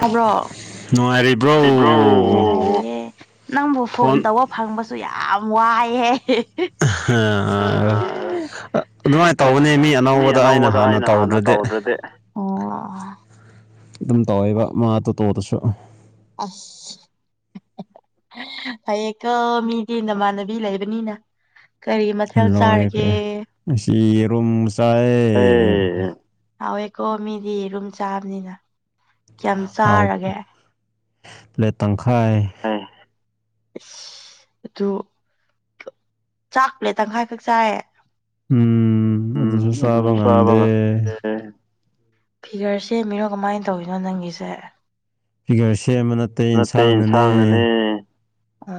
ꯍꯥꯏꯕ꯭ꯔꯣ [unintelligible] ꯅꯪꯕꯨ ꯐꯣꯟ ꯇꯧꯕ ꯐꯪꯕꯁꯨ ꯌꯥꯝ ꯋꯥꯏꯑꯦ ꯑꯍ ꯑꯗꯨꯃꯥꯏꯅ ꯇꯧꯕꯅꯤ ꯃꯤ ꯑꯅꯧꯕꯗ ꯑꯩꯅ ꯍꯥꯟꯅ ꯇꯧꯗ꯭ꯔꯗꯤ ꯑꯗꯨꯝ ꯇꯧꯋꯦꯕ ꯃꯥ ꯇꯣꯇꯣꯗꯨꯁꯨ ꯑꯁ ꯐꯩꯌꯦꯀꯣ ꯃꯤꯗꯤ ꯅꯃꯥꯟꯅꯕꯤ ꯂꯩꯕꯅꯤꯅ ꯀꯔꯤ ꯃꯊꯦꯜ ꯆꯥꯔꯒꯦ ꯑꯦ ꯍꯋꯦꯀꯣ ꯃꯤꯗꯤ ꯌꯦꯔꯨꯝ ꯆꯥꯕꯅꯤꯅ ꯀꯌꯥꯝ ꯆꯥꯔꯒꯦ ꯑꯗꯨ ꯆꯥꯛ ꯄ꯭ꯂꯦꯠ ꯇꯪꯈꯥꯏꯈꯛ ꯆꯥꯏꯌꯦ ꯎꯝ ꯑꯗꯨꯁꯨ ꯆꯥꯕ [unintelligible] ꯐꯤꯒꯔ ꯁꯦꯝꯃꯤꯔꯣ ꯀꯃꯥꯏꯅ ꯇꯧꯔꯤꯅꯣ ꯅꯪꯒꯤꯁꯦ ꯅꯠꯇꯦ ꯏꯟꯁꯥꯡꯅꯅꯦ ꯑ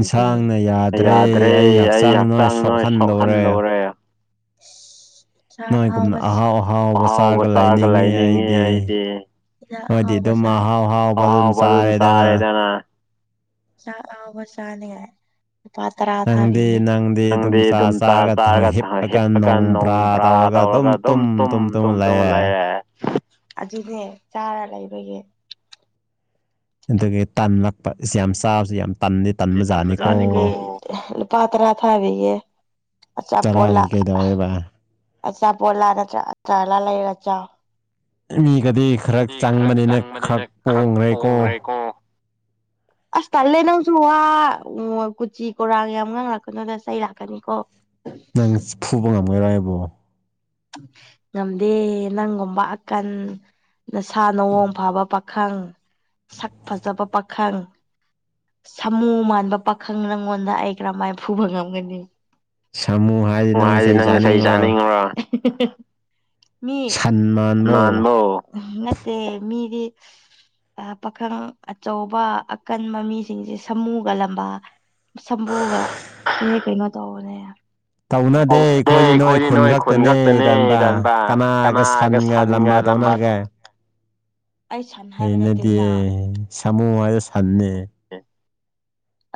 ꯏꯟꯁꯥꯡꯅ ꯌꯥꯗ꯭ꯔꯦ ꯑꯩ ꯍꯛꯆꯥꯡ ꯂꯣꯏ ꯁꯣꯛꯍꯟꯗꯧꯔꯦ [inaudible] ꯏꯁ ꯆꯥꯛ ꯑꯍꯥꯎꯕ ꯑꯍꯥꯎꯕ ꯆꯥꯔꯒ ꯂꯩꯅꯤꯡꯉꯦ ꯑꯩꯗꯤ ꯏꯟꯁꯥꯡ ꯑꯍꯥꯎꯕ ꯆꯥ ꯑꯍꯥꯎꯕ ꯑꯗꯨꯝ ꯆꯥꯔꯦꯗꯅ ꯆꯥꯛ ꯑꯍꯥꯎꯕ ꯆꯥꯅꯦ ꯂꯨꯄꯥ ꯇꯔꯥ ꯊꯥꯕꯤꯒꯦ ꯅꯪꯗꯤ ꯑꯗꯨꯝ ꯆꯥ ꯆꯥꯔꯒ ꯍꯤꯞꯄꯒ ꯅꯣꯡ ꯕ꯭ꯔꯥ ꯇꯧꯔꯒ ꯑꯗꯨꯝ ꯇꯨꯝ ꯇꯨꯝ ꯇꯨꯝ ꯂꯩꯔꯦ ꯑꯗꯨꯅꯦ ꯆꯥꯔ ꯂꯩꯕꯒꯤ ꯑꯗꯨꯒꯤ ꯇꯜꯂꯛꯄ ꯌꯥꯝ ꯆꯥꯕꯁꯨ ꯌꯥꯝ ꯇꯟꯗꯤ ꯇꯟꯕꯖꯥꯠꯅꯤꯀꯣ ꯂꯨꯄꯥꯇ꯭ꯔꯥ ꯊꯥꯕꯤꯒꯦ ꯇꯔꯥꯒꯤ ꯀꯩꯗꯧꯋꯦꯕ ꯑꯆꯥꯄꯣꯠꯂꯥ ꯅꯠꯇ꯭ꯔ ꯑꯆꯥꯔꯂꯥ ꯂꯩꯔ ꯆꯥꯎ ꯃꯤꯒꯗꯤ ꯈꯔ ꯆꯪꯕꯅꯤꯅ ꯈꯔ ꯄꯣꯡꯈ꯭ꯔꯦꯀꯣ ꯑꯁ ꯇꯥꯜꯂꯦ ꯅꯪꯁꯨ ꯋꯥ ꯎ ꯀꯨꯆꯤ ꯀꯣꯔꯥꯡ ꯌꯥꯝ ꯉꯥꯡꯉꯛꯀꯅꯨꯗ ꯆꯩ ꯂꯥꯛꯀꯅꯤꯀꯣ ꯅꯪ ꯐꯨꯕ ꯉꯝꯒꯦꯔ ꯑꯩꯕꯨ ꯉꯝꯗꯦ ꯅꯪꯒꯨꯝꯕ ꯑꯀꯟ ꯅꯁꯥ ꯅꯑꯣꯡ ꯐꯕ ꯄꯥꯈꯪ ꯁꯛ ꯐꯖꯕ ꯄꯥꯈꯪ ꯁꯥꯃꯨ ꯃꯥꯟꯕ ꯄꯥꯈꯪ ꯅꯪꯉꯣꯟꯗ ꯑꯩ ꯀꯔꯝꯃꯥꯏꯅ ꯐꯨꯕ ꯉꯝꯒꯅꯤ [unintelligible] ꯃꯤ ꯃꯥꯟꯕ ꯅꯠꯇꯦ ꯃꯤꯗꯤ ꯄꯥꯈꯪ ꯑꯆꯧꯕ ꯑꯀꯟꯕ ꯃꯤꯁꯤꯡꯁꯦ ꯁꯃꯨꯒ ꯂꯝꯕ ꯁꯝꯄꯨꯒ ꯃꯤ ꯀꯩꯅꯣ ꯇꯧꯕꯅꯦ ꯇꯧꯅꯗꯦ ꯑꯩꯈꯣꯏꯗꯤ ꯅꯣꯏ ꯈꯨꯟ ꯈꯛꯇꯅꯦ ꯇꯟꯥꯟꯕ ꯀꯅꯥꯒ ꯁꯟꯒ ꯂꯝꯕꯥ ꯇꯧꯅꯒꯦ ꯑꯩꯅꯗꯤ ꯁꯥꯃꯨ ꯍꯥꯏꯔ ꯁꯟꯅꯦ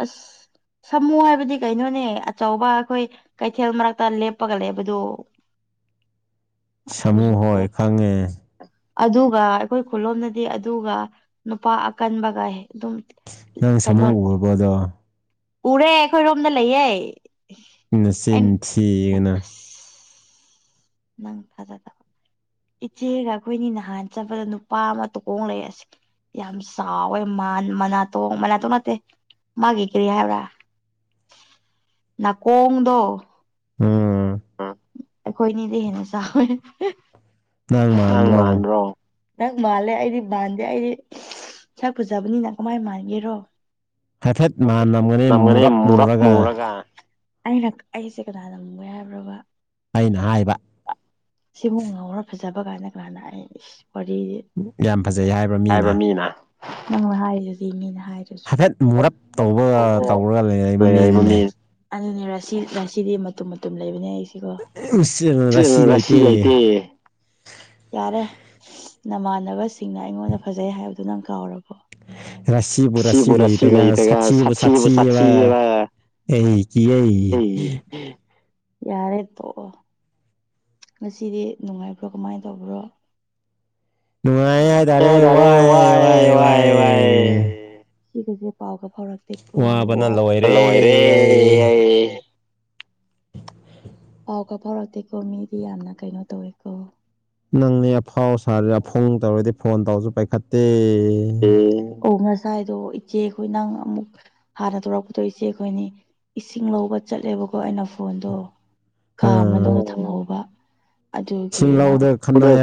ꯑꯁ ꯁꯥꯃꯨ ꯍꯥꯏꯕꯗꯤ ꯀꯩꯅꯣꯅꯦ ꯑꯆꯧꯕ ꯑꯩꯈꯣꯏ ꯀꯩꯊꯦꯜ ꯃꯔꯛꯇ ꯂꯦꯞꯄꯒ ꯂꯩꯕꯗꯨ ꯁꯃꯨ ꯍꯣꯏ ꯈꯪꯉꯦ ꯑꯗꯨꯒ ꯑꯩꯈꯣꯏ ꯈꯨꯂꯣꯝꯅꯗꯤ ꯑꯗꯨꯒ ꯅꯨꯄꯥ ꯑꯀꯟꯕꯒ ꯑꯗꯨꯝ ꯅꯪ ꯁꯃꯨ ꯎꯔꯕꯗꯣ ꯎꯔꯦ ꯑꯩꯈꯣꯏ ꯔꯣꯝꯗ ꯂꯩꯌꯦ ꯅꯆꯤꯟꯊꯤꯒꯅ [unintelligible] ꯏꯆꯦꯒ ꯑꯩꯈꯣꯏꯅꯤ ꯅꯍꯥꯟ ꯆꯠꯄꯗ ꯅꯨꯄꯥ ꯑꯃ ꯇꯨꯀꯣꯡ ꯂꯩ ꯑꯁꯤ ꯌꯥꯝ ꯁꯥꯎꯋꯦ ꯃꯅꯥꯛꯇꯣ ꯃꯅꯥꯛꯇꯣ ꯅꯠꯇꯦ ꯃꯥꯒꯤ ꯀꯔꯤ ꯍꯥꯏꯕ꯭ꯔꯥ ꯅꯥꯀꯣꯡꯗꯣ ꯎꯝ ꯑꯩꯈꯣꯏꯅꯤꯗꯤ ꯍꯦꯟꯅ ꯆꯥꯎꯋꯦ ꯅꯥꯡ ꯃꯥꯟꯕ꯭ꯔꯣ ꯅꯪ ꯃꯥꯜꯂꯦ ꯑꯩꯗꯤ ꯃꯥꯟꯗꯦ ꯑꯩꯗꯤ ꯁꯛ ꯐꯖꯕꯅꯤꯅꯪ ꯀꯃꯥꯏꯅ ꯃꯥꯟꯒꯦꯔꯣ ꯅꯝꯒꯅꯦ ꯃꯔꯞ ꯃꯨꯔꯒ ꯑꯩꯅ ꯑꯩꯁꯦ ꯀꯅꯥꯅ ꯃꯨꯌꯦ ꯍꯥꯏꯕ꯭ꯔꯕ ꯑꯩꯅ ꯍꯥꯏꯕ ꯁꯤꯕꯨ ꯉꯧꯔ ꯐꯖꯕ ꯀꯥꯏꯅ ꯀꯥꯅꯅ ꯍꯥꯏ ꯏꯁ ꯋꯥꯔꯤ ꯍꯥꯏꯕꯔꯥ ꯃꯤꯅ ꯅꯪꯅ ꯍꯥꯏꯔꯤꯗꯤꯅ ꯍꯥꯏꯔ ꯍꯥꯏꯐꯦꯠ ꯃꯨꯔꯞ ꯇꯧꯕ ꯇꯧꯔꯒ ꯂꯩꯅꯛꯏꯕ ꯃꯤꯅꯤꯅꯦ ꯑꯗꯨꯅꯦ ꯔꯁꯤ ꯔꯁꯤꯗꯤ ꯃꯇꯨꯝ ꯃꯇꯨꯝ ꯂꯩꯕꯅꯦ ꯑꯩꯁꯤꯀꯣ [inaudible] ꯔꯥꯁꯤ ꯂꯩꯇꯦ ꯌꯥꯔꯦ ꯅꯃꯥꯟꯅꯕꯁꯤꯡꯅ ꯑꯩꯉꯣꯟꯗ ꯐꯖꯩ ꯍꯥꯏꯕꯗꯨ ꯅꯪ ꯀꯥꯎꯔꯕꯣ ꯔꯥꯁꯤꯕꯨ ꯔꯥꯁꯤ ꯂꯩꯗꯒ ꯁꯥꯊꯤꯕꯨ ꯁꯥꯊꯤꯑꯕ ꯑꯩ ꯀꯤꯍꯦ ꯌꯥꯔꯦ ꯇꯣꯛꯑꯣ ꯉꯁꯤꯗꯤ ꯅꯨꯡꯉꯥꯏꯕ꯭ꯔꯣ ꯀꯃꯥꯏꯅ ꯇꯧꯕ꯭ꯔꯣ ꯅꯨꯡꯥꯏ ꯍꯥꯏ ꯇꯔꯦ ꯋꯥꯏ ꯋꯥꯏ ꯋꯥꯏ ꯁꯤꯒꯁꯦ ꯄꯥꯎꯒ ꯐꯥꯎꯔꯛꯇꯦ ꯋꯥꯕꯅ ꯂꯣꯏꯔꯦ ꯑꯩ ꯑꯦ ꯄꯥꯎ ꯀ ꯐꯥꯎꯔꯛꯇꯦꯀꯣ ꯃꯤꯗꯤ ꯌꯥꯝꯅ ꯀꯩꯅꯣ ꯇꯧꯋꯦꯀꯣ ꯅꯪꯅꯦ ꯑꯐꯥꯎ ꯁꯥꯔꯦ ꯑꯐꯣꯡ ꯇꯧꯔꯗꯤ ꯐꯣꯟ ꯇꯧꯔꯁꯨ ꯄꯥꯏꯈꯠꯇꯦ ꯑꯦ ꯑꯣ ꯉꯁꯥꯏꯗꯣ ꯏꯆꯦ ꯑꯩꯈꯣꯏ ꯅꯪ ꯑꯃꯨꯛ ꯍꯥꯟꯅ ꯇꯧꯔꯛꯄꯗꯣ ꯏꯆꯦ ꯑꯩꯈꯣꯏꯅꯤ ꯏꯁꯤꯡ ꯂꯧꯕ ꯆꯠꯂꯦꯕꯀꯣ ꯑꯩꯅ ꯐꯣꯟꯗꯣ ꯀꯥ ꯑꯃ ꯊꯝꯍꯧꯕ ꯑꯗꯨꯒꯤꯅ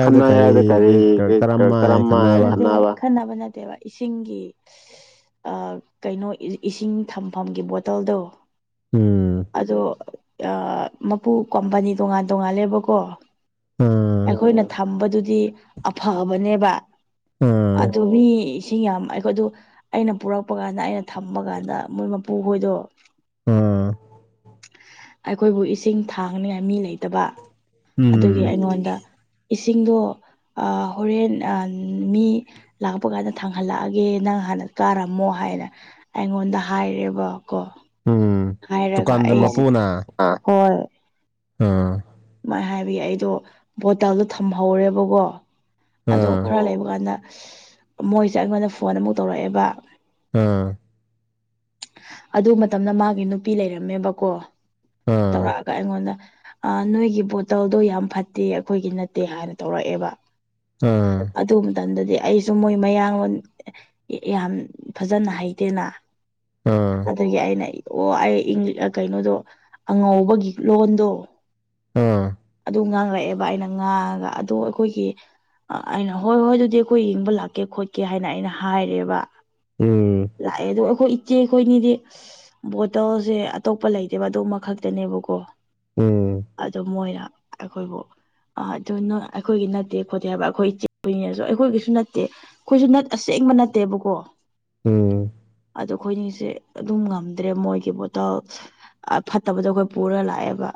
ꯈꯅ ꯍꯥꯏꯗ ꯀꯔꯤ ꯀꯔꯝꯝꯕ ꯈꯟꯅꯅꯕ ꯈꯟꯅꯕ ꯅꯠꯇꯦꯕ ꯏꯁꯤꯡꯒꯤ ꯀꯩꯅꯣ ꯏꯁꯤꯡ ꯊꯝꯐꯝꯒꯤ ꯕꯣꯇꯜꯗꯣ ꯑꯣ ꯃꯄꯨ ꯀꯝꯄꯅꯤ ꯇꯣꯉꯥꯟ ꯇꯣꯉꯜꯂꯦꯕꯀꯣ ꯑꯩꯈꯣꯏꯅ ꯊꯝꯕꯗꯨꯗꯤ ꯑꯐꯕꯅꯦꯕ ꯑꯗꯨ ꯃꯤ ꯏꯁꯤꯡ ꯌꯥꯝ ꯑꯩꯈꯣꯏꯗ ꯑꯩꯅ ꯄꯨꯔꯛꯄ ꯀꯥꯟꯗ ꯑꯩꯅ ꯊꯝꯕ ꯀꯥꯟꯗ ꯃꯣꯏ ꯃꯄꯨꯍꯣꯏꯗꯣ ꯎꯥꯝ ꯑꯩꯈꯣꯏꯕꯨ ꯏꯁꯤꯡ ꯊꯥꯡꯅꯤꯉꯥꯏ ꯃꯤ ꯂꯩꯇꯕ ꯑꯗꯨꯒꯤ ꯎꯝ ꯗ ꯏꯁꯤꯡꯗꯣ ꯍꯣꯔꯦꯟ ꯃꯤ ꯂꯥꯛꯄ ꯀꯥꯟꯗ ꯊꯥꯡꯍꯜꯂꯛꯑꯒꯦ ꯅꯪ ꯍꯥꯟꯅ ꯀꯥꯔꯝꯃꯣ ꯍꯥꯏꯅ ꯑꯩꯉꯣꯟꯗ ꯍꯥꯏꯔꯦꯕꯀꯣ ꯍꯥꯏꯔꯒ ꯑꯩꯁꯨ ꯍꯣꯏ ꯎꯝ ꯑꯗꯨꯃꯥꯏ ꯍꯥꯏꯕꯤ ꯑꯩꯗꯣ ꯕꯣꯇꯥꯜꯗꯣ ꯊꯝꯍꯧꯔꯦꯕꯀꯣ ꯑꯗꯣ ꯈꯔ ꯂꯩꯕ ꯀꯥꯟꯗ ꯃꯣꯏꯁꯦ ꯑꯩꯉꯣꯟꯗ ꯐꯣꯟ ꯑꯃꯨꯛ ꯇꯧꯔꯛꯑꯦꯕ ꯎꯝ ꯑꯗꯨ ꯃꯇꯝꯗ ꯃꯥꯒꯤ ꯅꯨꯄꯤ ꯂꯩꯔꯝꯃꯦꯕꯀꯣ ꯇꯧꯔꯛꯑꯒ ꯑꯩꯉꯣꯟꯗ ꯑ ꯅꯣꯏꯒꯤ ꯕꯣꯇꯜꯗꯣ ꯌꯥꯝ ꯐꯠꯇꯦ ꯑꯩꯈꯣꯏꯒꯤ ꯅꯠꯇꯦ ꯍꯥꯏꯅ ꯇꯧꯔꯛꯑꯦꯕ ꯑꯥ ꯑꯗꯨ ꯃꯇꯝꯗꯗꯤ ꯑꯩꯁꯨ ꯃꯣꯏ ꯃꯌꯥꯡꯂꯣꯜ ꯌꯥꯝ ꯐꯖꯅ ꯍꯩꯇꯦꯅ ꯑꯗꯨꯗꯒꯤ ꯑꯩꯅ ꯑꯣ ꯑꯩ ꯀꯩꯅꯣꯗꯣ ꯑꯉꯧꯕꯒꯤ ꯂꯣꯟꯗꯣ ꯑꯥ ꯑꯗꯨ ꯉꯥꯡꯂꯛꯑꯦꯕ ꯑꯩꯅ ꯉꯥꯡꯉꯒ ꯑꯗꯣ ꯑꯩꯈꯣꯏꯒꯤ ꯑ ꯑꯩꯅ ꯍꯣꯏ ꯍꯣꯏ ꯑꯗꯨꯗꯤ ꯑꯩꯈꯣꯏ ꯌꯦꯡꯕ ꯂꯥꯛꯀꯦ ꯈꯣꯠꯀꯦ ꯍꯥꯏꯅ ꯑꯩꯅ ꯍꯥꯏꯔꯦꯕ ꯎꯝ ꯂꯥꯛꯑꯦ ꯑꯗꯣ ꯑꯩꯈꯣꯏ ꯏꯆꯦ ꯑꯩꯈꯣꯏꯅꯤꯗꯤ ꯕꯣꯇꯜꯁꯦ ꯑꯇꯣꯞꯄ ꯂꯩꯇꯦꯕ ꯑꯗꯨꯕ ꯈꯛꯇꯅꯦꯕꯀꯣ ꯑꯗꯨ ꯃꯣꯏꯅ ꯑꯩꯈꯣꯏꯕꯨ ꯑ ꯑꯗꯨꯅ ꯑꯩꯈꯣꯏꯒꯤ ꯅꯠꯇꯦ ꯈꯣꯠꯇꯦ ꯍꯥꯏꯕ ꯑꯩꯈꯣꯏ ꯏꯆꯦꯅꯁꯨ ꯑꯩꯈꯣꯏꯒꯤꯁꯨ ꯅꯠꯇꯦ ꯑꯩꯈꯣꯏꯁꯨ ꯅꯠ ꯑꯁꯦꯡꯕ ꯅꯠꯇꯦꯕꯀꯣ ꯑꯝ ꯑꯩꯈꯣꯏꯅꯤꯁꯦ ꯑꯗꯨꯝ ꯉꯝꯗ꯭ꯔꯦ ꯃꯣꯏꯒꯤ ꯕꯣꯇꯜ ꯐꯠꯇꯕꯗꯣ ꯑꯩꯈꯣꯏ ꯄꯨꯔ ꯂꯥꯛꯑꯦꯕ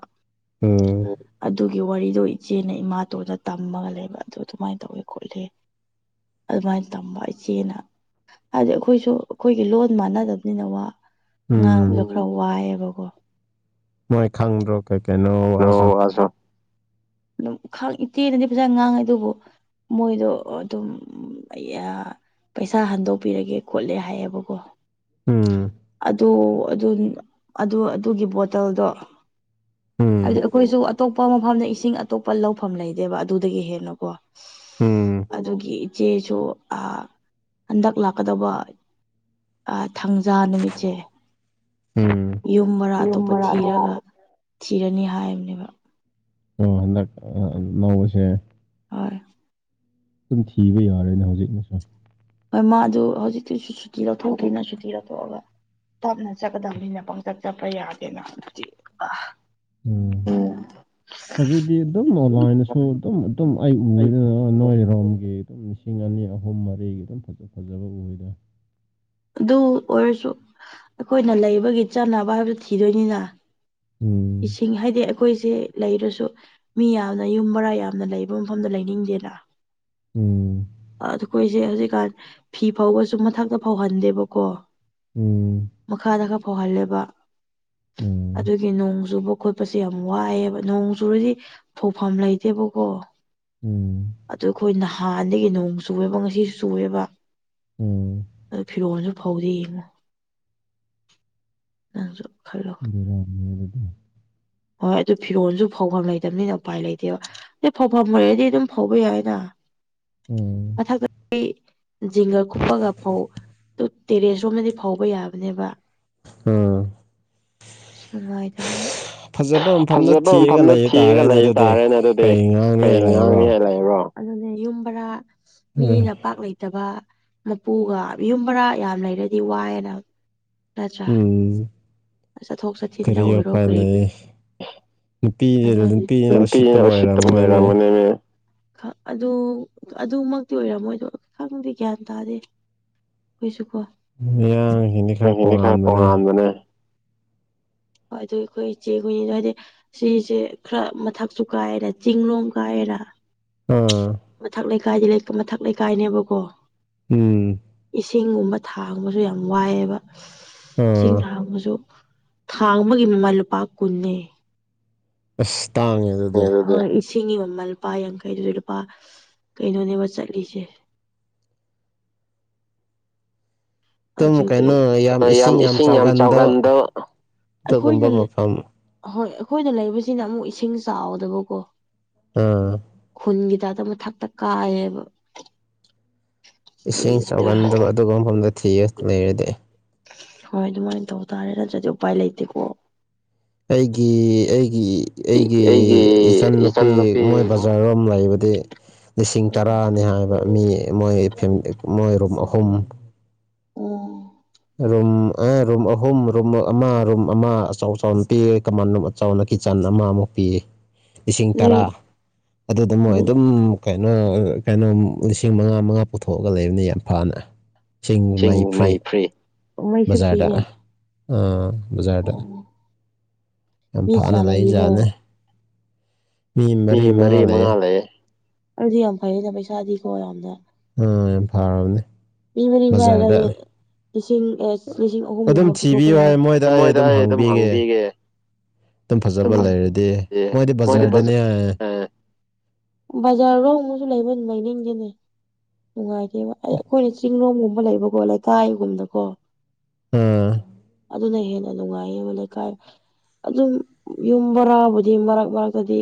ꯑꯗꯨꯒꯤ ꯋꯥꯔꯤꯗꯣ ꯏꯆꯦꯅ ꯏꯃꯥꯇꯣꯟꯗ ꯇꯝꯃꯒ ꯂꯩꯕ ꯑꯗꯨ ꯑꯗꯨꯃꯥꯏꯅ ꯇꯧꯋꯦ ꯈꯣꯠꯂꯦ ꯑꯗꯨꯃꯥꯏꯅ ꯇꯝꯕ ꯏꯆꯦꯅ ꯍꯥꯏꯗꯤ ꯑꯩꯈꯣꯏꯁꯨ ꯑꯩꯈꯣꯏꯒꯤ ꯂꯣꯟ ꯃꯥꯟꯅꯗꯕꯅꯤꯅ ꯋꯥ ꯉꯥꯡꯕꯗꯣ ꯈꯔ ꯋꯥꯏꯑꯦꯕꯀꯣ ꯃꯣꯏ ꯈꯥꯪꯗ꯭ꯔꯣ ꯀꯩ ꯀꯩꯅꯣ ꯋꯥꯖꯣ ꯑꯗꯨꯝ ꯈꯥꯡ ꯏꯆꯦꯅꯗꯤ ꯐꯖꯅ ꯉꯥꯡꯉꯦ ꯑꯗꯨꯕꯨ ꯃꯣꯏꯗꯣ ꯑꯗꯨꯝ ꯄꯩꯁꯥ ꯍꯟꯗꯣꯛꯄꯤꯔꯒꯦ ꯈꯣꯠꯂꯦ ꯍꯥꯏꯌꯦꯕꯀꯣ ꯑꯗꯨ ꯑꯗꯨ ꯑꯗꯨꯒꯤ ꯕꯣꯇꯜꯗꯣ ꯍꯥꯏꯕꯗꯤ ꯑꯩꯈꯣꯏꯁꯨ ꯑꯇꯣꯞꯄ ꯃꯐꯝꯗ ꯏꯁꯤꯡ ꯑꯇꯣꯞꯄ ꯂꯧꯐꯝ ꯂꯩꯗꯦꯕ ꯑꯗꯨꯗꯒꯤ ꯍꯦꯟꯅꯀꯣ ꯑꯗꯨꯒꯤ ꯏꯆꯦꯁꯨ ꯍꯟꯗꯛ ꯂꯥꯛꯀꯗꯧꯕ ꯊꯥꯡꯖꯥ ꯅꯨꯃꯤꯠꯁꯦ ꯌꯨꯝ ꯃꯔꯥ ꯑꯇꯣꯞꯄ ꯊꯤꯔꯒ ꯊꯤꯔꯅꯤ ꯍꯥꯏꯕꯅꯦꯕ ꯍꯟꯗꯛ ꯑꯅꯧꯕꯁꯦ ꯍꯣꯏ ꯑꯗꯨꯝ ꯊꯤꯕ ꯌꯥꯔꯦꯅꯦ ꯍꯧꯖꯤꯛꯅꯁꯨ ꯍꯣꯏ ꯃꯥꯗꯨ ꯍꯧꯖꯤꯛꯇꯤꯁꯨ ꯁꯨꯇꯤ ꯂꯧꯊꯣꯛꯇꯦꯅ ꯁꯨꯇꯤ ꯂꯧꯊꯣꯛꯑꯒ ꯇꯞꯅ ꯆꯠꯀꯗꯕꯅꯤꯅ ꯄꯪꯆꯠ ꯆꯠꯄ ꯌꯥꯗꯦꯕ ꯑꯗꯨꯗꯤ ꯎꯝ ꯍꯧꯖꯤꯛꯇꯤ ꯑꯗꯨꯝ ꯑꯣꯟꯂꯥꯏꯟꯗꯁꯨ ꯑꯗꯨꯝ ꯑꯗꯨꯝ ꯑꯩ ꯎꯏꯗꯅ ꯅꯣꯏꯔꯣꯝꯒꯤ ꯑꯗꯨꯝ ꯂꯤꯁꯤꯡ ꯑꯅꯤ ꯑꯍꯨꯝ ꯃꯔꯤꯒꯤ ꯑꯗꯨꯝ ꯐꯖ ꯐꯖꯕ ꯎꯔꯦ ꯑꯗꯨ ꯑꯣꯏꯔꯁꯨ ꯑꯩꯈꯣꯏꯅ ꯂꯩꯕꯒꯤ ꯆꯥꯟꯅꯕ ꯍꯥꯏꯕꯗꯨ ꯊꯤꯗꯣꯏꯅꯤꯅ ꯎꯝ ꯏꯁꯤꯡ ꯍꯥꯏꯗꯤ ꯑꯩꯈꯣꯏꯁꯦ ꯂꯩꯔꯁꯨ ꯃꯤ ꯌꯥꯝꯅ ꯌꯨꯝ ꯚꯔꯥ ꯌꯥꯝꯅ ꯂꯩꯕ ꯃꯐꯝꯗ ꯂꯩꯅꯤꯡꯗꯦꯗ ꯎꯝ ꯑꯗꯣ ꯑꯩꯈꯣꯏꯁꯦ ꯍꯧꯖꯤꯛꯀꯥꯟ ꯐꯤ ꯐꯥꯎꯕꯁꯨ ꯃꯊꯛꯇ ꯐꯧꯍꯟꯗꯦꯕꯀꯣ ꯃꯈꯥꯗ ꯈꯔ ꯐꯥꯎꯍꯜꯂꯦꯕ ꯑꯗꯨꯒꯤ ꯅꯣꯡ ꯆꯨꯕ ꯈꯣꯠꯄꯁꯦ ꯌꯥꯝ ꯋꯥꯏꯑꯦꯕ ꯅꯣꯡ ꯆꯨꯔꯗꯤ ꯐꯧꯐꯝ ꯂꯩꯇꯦꯕꯀꯣ ꯎꯝ ꯑꯗꯨ ꯑꯩꯈꯣꯏ ꯅꯍꯥꯟꯗꯒꯤ ꯅꯣꯡ ꯆꯨꯑꯦꯕ ꯉꯁꯤꯁꯨ ꯆꯨꯑꯦꯕ ꯑꯗꯨ ꯐꯤꯔꯣꯜꯁꯨ ꯐꯧꯗꯦ ꯌꯦꯡꯉꯣ ꯅꯪꯁꯨ ꯈꯜꯂꯣ ꯍꯣꯏ ꯑꯗꯨ ꯐꯤꯔꯣꯟꯜꯁꯨ ꯐꯧꯐꯝ ꯂꯩꯇꯕꯅꯤꯅ ꯎꯄꯥꯏ ꯂꯩꯇꯦꯕ ꯁꯤ ꯐꯧꯐꯝ ꯂꯩꯔꯗꯤ ꯑꯗꯨꯝ ꯐꯥꯎꯕ ꯌꯥꯏꯗ ꯃꯊꯛꯇꯗꯤ ꯖꯤꯡꯒꯔ ꯀꯨꯞꯄꯒ ꯐꯧ ꯑꯗꯨ ꯇꯦꯔꯦꯁ ꯔꯣꯝꯗꯗꯤ ꯐꯥꯎꯕ ꯌꯥꯕꯅꯦꯕ ꯎꯝ [unintelligible] ꯅꯨꯡꯉꯥꯏꯇꯕꯅꯦꯕ ꯐꯖꯕ ꯃꯐꯝꯗ ꯊꯤꯔꯒ ꯂꯩ ꯇꯥꯔꯦꯅꯦ ꯑꯗꯨꯗꯤ ꯀꯩ ꯉꯥꯡꯅꯤꯉꯥꯏ ꯂꯩꯕ꯭ꯔꯣ ꯑꯗꯨꯅꯦ ꯌꯨꯝꯕꯔꯥ ꯃꯤꯅ ꯄꯥꯛ ꯂꯩꯇꯕ ꯃꯄꯨꯒ ꯌꯨꯝ ꯕꯔꯥ ꯌꯥꯝ ꯂꯩꯔꯗꯤ ꯋꯥꯏꯑꯦꯅ ꯎꯝ ꯆꯠꯊꯣꯛ ꯆꯠꯁꯤꯟꯗ ꯑꯣꯏꯔꯣ ꯀꯔꯤꯗ [unintelligible] ꯑꯗꯨ ꯑꯗꯨꯃꯛꯇꯤ ꯑꯣꯏꯔꯝꯃꯣꯏꯗꯣ ꯈꯪꯗꯦ ꯒ꯭ꯌꯥꯟ ꯇꯥꯗꯦ [unintelligible] ꯍꯣꯏ ꯑꯗꯨ ꯑꯩꯈꯣꯏ ꯏꯆꯦ ꯍꯣꯏ [unintelligible] ꯁꯤꯁꯦ ꯈꯔ ꯃꯊꯛꯁꯨ ꯀꯥꯏꯅ ꯆꯤꯡꯂꯣꯝ ꯀꯥꯏꯅ ꯑꯥ ꯃꯊꯛ ꯂꯩꯀꯥꯏꯗꯤ ꯃꯊꯛ ꯂꯩꯀꯥꯏꯅꯦꯕꯀꯣ ꯎꯝ ꯏꯁꯤꯡꯒꯨꯝꯕ ꯊꯥꯡꯕꯁꯨ ꯌꯥꯝ ꯋꯥꯏꯑꯦꯕ ꯏꯁꯤꯡ ꯊꯥꯡꯕꯁꯨ ꯊꯥꯡꯕꯒꯤ ꯃꯃꯜ ꯂꯨꯄꯥ ꯀꯨꯟꯅꯦ ꯑꯁ ꯇꯥꯡꯉꯦ [unintelligible] ꯏꯁꯤꯡꯒꯤ ꯃꯃꯜ ꯂꯨꯄꯥ ꯌꯥꯡꯈꯩꯗꯨꯗꯤ ꯂꯨꯄꯥ ꯀꯩꯅꯣꯅꯦꯕ ꯆꯠꯂꯤꯁꯦ ꯑꯗꯨꯒꯤ ꯌꯥꯝ ꯏꯁꯤꯡ ꯌꯥꯝ ꯆꯥꯎꯒꯟꯗꯣ ꯑꯩꯈꯣꯏꯅ ꯍꯣꯏ ꯑꯩꯈꯣꯏꯅ ꯂꯩꯕꯁꯤꯅ ꯑꯃꯨꯛ ꯏꯁꯤꯡ ꯆꯥꯎꯗꯕꯀꯣ ꯑꯝ ꯈꯨꯟꯒꯤ ꯇꯥꯏꯞꯇ ꯃꯊꯛꯇ ꯀꯥꯏꯌꯦꯕ ꯏꯁꯤꯡ ꯆꯥꯎꯒꯟꯗꯕ ꯑꯗꯨꯒꯨꯝ ꯃꯐꯝꯗ ꯊꯤꯔꯒ ꯂꯩꯔꯗꯤ ꯍꯣꯏ ꯑꯗꯨꯃꯥꯏꯅ ꯇꯧ ꯇꯥꯔꯦ ꯅꯠꯇ꯭ꯔꯗꯤ ꯎꯄꯥꯏ ꯂꯩꯇꯦꯀꯣ ꯑꯩꯒꯤ ꯑꯩꯒꯤ ꯑꯩꯒꯤ ꯏꯆꯟꯅꯨꯄꯤ ꯃꯣꯏ ꯕꯖꯥꯔꯔꯣꯝ [unintelligible] ꯂꯩꯕꯗꯤ ꯂꯤꯁꯤꯡ ꯇꯔꯥꯅꯤ ꯍꯥꯏꯕ ꯃꯤ ꯃꯣꯏ ꯐꯦꯝ ꯃꯣꯏ ꯔꯨꯝ ꯑꯍꯨꯝ ꯑꯣ ꯔꯨꯝ ꯑ ꯔꯨꯝ ꯑꯍꯨꯝ ꯔꯨꯝ ꯑꯃ ꯔꯨꯝ ꯑꯃ ꯑꯆꯧ ꯑꯆꯥꯎ ꯄꯤ ꯀꯃꯥꯟ ꯔꯨꯝ ꯆꯥꯎꯅ ꯀꯤꯆꯟ ꯑꯃꯃꯨꯛ ꯄꯤ ꯂꯤꯁꯤꯡ ꯇꯔꯥ ꯑꯗꯨꯗ ꯃꯣꯏ ꯑꯗꯨꯝ ꯀꯩꯅꯣ ꯀꯩꯅꯣ ꯂꯤꯁꯤꯡ ꯃꯉꯥ ꯃꯉꯥ ꯄꯨꯊꯣꯛꯑꯒ ꯂꯩꯕꯅꯤ ꯌꯥꯝ ꯐꯅ ꯏꯆꯤꯡ ꯃꯩ ꯐ꯭ꯔꯤ ꯑꯣ ꯃꯩꯁꯨ ꯐ꯭ꯔꯤꯅꯦ ꯑ ꯕꯖꯥꯔꯗ ꯃꯤ ꯀꯌꯥ ꯂꯩꯔꯤꯔꯣ ꯃꯤ ꯃꯔꯤ ꯃꯉꯥ ꯂꯩꯌꯦ ꯑꯗꯨꯗꯤ ꯌꯥꯝ ꯐꯩꯌꯦꯅ ꯄꯩꯁꯥꯗꯤꯀꯣ ꯌꯥꯝꯅ ꯑꯥ ꯌꯥꯝ ꯐꯔꯕꯅꯦ ꯃꯤꯕꯕ ꯍꯥꯏꯔ ꯂꯤ ꯂꯤꯁꯤꯡ ꯑꯍꯨꯝꯒꯨꯝꯕ ꯄꯨꯊꯣꯛꯄ ꯌꯥꯔꯦ ꯃꯣꯏꯗ ꯑꯩ ꯑꯗꯨꯝ ꯍꯪꯕꯤꯒꯦ ꯑꯗꯨꯝ ꯐꯖꯕ ꯂꯩꯔꯗꯤ ꯃꯣꯏꯗꯤ ꯕꯖꯥꯔꯗꯅꯦ ꯕꯖꯥꯔ ꯔꯣ ꯑꯃꯁꯁꯨ ꯂꯩꯕꯅꯤ ꯃꯥꯏꯅꯤꯡꯁꯤꯅꯦ ꯅꯨꯡꯉꯥꯏꯇ ꯑꯩ ꯑꯩꯈꯣꯏꯅ ꯆꯤꯡꯂꯣꯡꯝꯒꯨꯝꯕ ꯂꯩꯕꯀꯣ ꯂꯩꯀꯥꯏꯒꯨꯝꯅꯀꯣ ꯎꯝ ꯑꯗꯨꯅ ꯍꯦꯟꯅ ꯅꯨꯡꯉꯥꯏꯌꯦꯕ ꯂꯩꯀꯥꯏ ꯑꯗꯨꯝ ꯌꯨꯝ ꯕꯣꯔꯥꯕꯨꯗꯤ ꯃꯔꯛ ꯃꯔꯛꯇꯗꯤ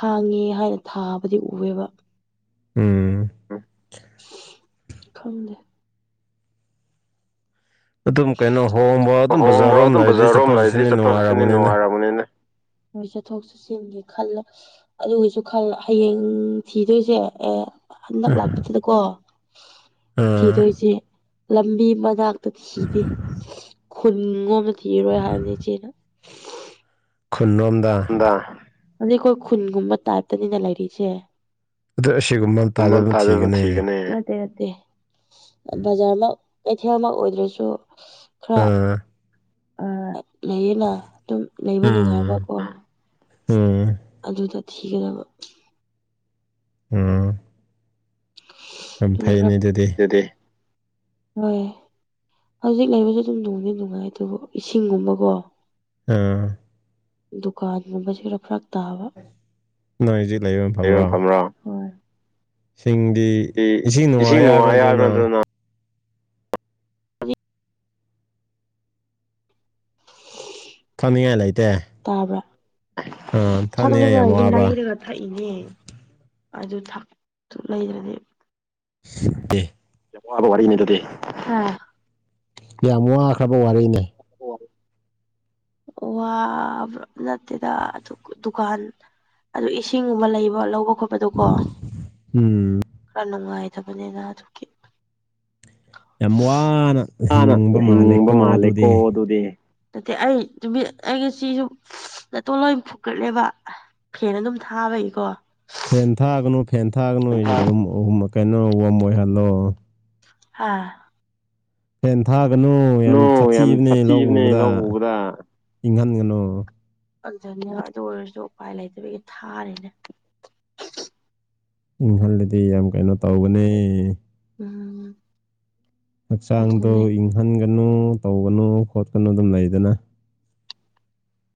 ꯍꯥꯡꯉꯤ ꯍꯥꯏꯅ ꯊꯥꯕꯗꯤ ꯎꯑꯦꯕ ꯎꯝ ꯎ ꯈꯪꯗꯦ ꯑꯍꯣꯡꯣꯡꯕ ꯑꯗꯨꯝ ꯕꯖꯥꯔꯣꯝꯗꯏꯗꯤ ꯆꯠꯊꯣꯛ ꯆꯠꯁꯤꯅꯦ ꯅꯨꯡꯉꯥꯏꯔꯕꯅꯤꯅꯦ ꯃꯣꯏ ꯆꯠꯊꯣꯛ ꯆꯠꯁꯤꯟꯒꯦ ꯈꯜꯂ ꯑꯗꯨꯒꯤꯁꯨ ꯈꯜꯂ ꯍꯌꯦꯡ ꯊꯤꯗꯣꯏꯁꯦ ꯑꯦ ꯍꯟꯗꯛ ꯂꯥꯛꯄꯗꯨꯗꯀꯣ ꯊꯤꯗꯣꯏꯁꯦ ꯂꯝꯕꯤ ꯃꯅꯥꯛꯇ ꯈꯨꯟꯒꯣꯝꯗ ꯊꯤꯔꯔꯣꯏ ꯍꯥꯏꯕꯅꯤ ꯏꯆꯦꯅ ꯈꯨꯜꯂꯣꯝꯗꯥ ꯑꯗꯩ ꯑꯩꯈꯣꯏ ꯈꯨꯟꯒꯨꯝꯕ ꯇꯥꯏꯞꯇꯅꯤꯅ ꯂꯩꯔꯤꯁꯦ ꯀꯨꯃꯅ ꯇꯥꯖ ꯊꯀꯅꯦ ꯕꯖꯥꯔꯃꯛ ꯀꯩꯊꯦꯜ ꯑꯃ ꯑꯣꯏꯗ꯭ꯔꯁꯨ ꯈꯔ ꯑ ꯂꯩꯌꯦꯅ ꯑꯗꯨꯝ ꯂꯩꯕ ꯅꯨꯡꯉꯥꯏꯕꯀꯣ ꯎꯝ ꯑꯗꯨꯗ ꯊꯤꯒꯗꯕ ꯎꯝ ꯍ ꯍꯧꯖꯤꯛ ꯂꯩꯕꯁꯨ ꯑꯗꯨꯝ ꯅꯨꯡꯅꯤ ꯅꯨꯡꯉꯥꯏ ꯑꯗꯨꯕꯨ ꯏꯁꯤꯡꯒꯨꯝꯕꯀꯣ ꯑꯥ ꯗꯨꯀꯥꯟꯔ ꯐꯔꯛ ꯇꯥꯕ ꯁꯤꯡꯗꯤ ꯏꯁꯤꯡ ꯅꯨꯡꯉꯥꯏ ꯌꯥꯕ ꯅꯠꯇ꯭ꯔꯅ ꯈꯪꯅꯤꯡꯉꯥꯏ ꯂꯩꯇꯦ ꯇꯥꯕ꯭ꯔꯥ ꯆ ꯍꯥꯏꯔꯒ ꯊꯛꯏꯅꯦ ꯑꯗꯨ ꯊ ꯂꯩꯗ꯭ꯔꯗꯤ ꯠꯇꯦ ꯑꯕ ꯋꯥꯔꯤꯅꯤ ꯑꯗꯨꯗꯤ ꯌꯥꯝ ꯋꯥꯈ꯭ꯔꯕ ꯋꯥꯔꯤꯅꯦ ꯑꯣꯦ ꯋꯥꯕ ꯅꯠꯇꯦꯗ ꯑꯗꯨ ꯗꯨꯀꯥꯟ ꯑꯗꯨ ꯏꯁꯤꯡꯒꯨꯝꯕ ꯂꯩꯕ ꯂꯧꯕ ꯈꯣꯠꯄ ꯗꯨꯀꯣ ꯈꯔ ꯅꯨꯡꯉꯥꯏꯇꯕꯅꯤꯅ ꯑꯗꯨꯒꯤ ꯃꯥꯅ ꯍꯤꯡꯕ ꯃꯥꯜꯂꯦꯀꯣ ꯑꯗꯨꯗꯤ ꯅꯠꯇꯦ ꯑꯩ ꯅꯨꯃꯤꯠ ꯑꯩꯒꯁꯤꯁꯨ ꯅꯇꯣꯟ ꯂꯣꯏ ꯐꯨꯀꯠꯂꯦꯕ ꯐꯦꯟ ꯑꯗꯨꯝ ꯊꯥꯕꯩꯀꯣ ꯐꯦꯟ ꯊꯥꯒꯅꯨ ꯐꯦꯟ ꯊꯥꯒꯅꯨ ꯑꯩꯁꯦꯨꯝ ꯑꯍꯨꯝ ꯀꯩꯅꯣ ꯋꯥꯝ ꯑꯣꯏꯍꯜꯂꯣ ꯍꯥꯥ ꯐꯦꯟ ꯊꯥꯒꯅꯨ ꯌꯥꯝ ꯁꯥꯊꯤꯕꯅꯦ ꯂꯧ ꯎꯕꯗ ꯏꯪꯍꯟꯒꯅꯨ ꯐꯪꯖꯅꯦꯕ ꯑꯗꯨ ꯑꯣꯏꯔꯁꯨ ꯎꯄꯥꯏ ꯂꯩꯇꯕꯒꯤ ꯊꯥꯔꯤꯦꯅꯦ ꯏꯪꯍꯜꯂꯗꯤ ꯌꯥꯝ ꯀꯩꯅꯣ ꯇꯧꯒꯅꯦ ꯎꯝ ꯍꯛꯆꯥꯡꯗꯣ ꯏꯪꯍꯟꯒꯅꯨ ꯇꯧꯒꯅꯨ ꯈꯣꯠꯀꯅꯨ ꯑꯗꯨꯝ ꯂꯩꯗꯅ